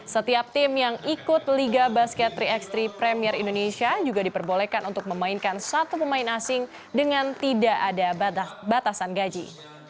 setiap tim yang ikut liga basket tiga x tiga premier indonesia juga diperbolehkan untuk memainkan satu pemain asing dengan tidak ada batasan gaji